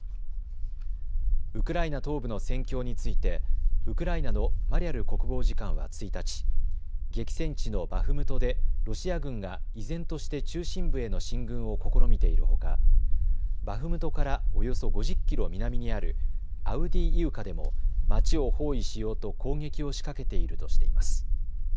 ウクライナ東部の戦況についてウクライナのマリャル国防次官は１日、激戦地のバフムトでロシア軍が依然として中心部への進軍を試みているほかバフムトからおよそ５０キロ南にあるアウディーイウカでも街を包囲しようと攻撃を仕掛けているとしています。